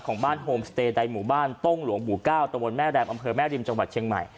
ของบ้านโฮมสเตย์ใดหมู่บ้านต้งหลวงหมู่๙ตะบนแม่แรมอำเภอแม่ริมจังหวัดเชียงใหม่